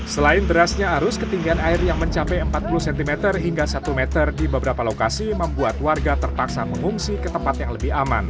selain derasnya arus ketinggian air yang mencapai empat puluh cm hingga satu meter di beberapa lokasi membuat warga terpaksa mengungsi ke tempat yang lebih aman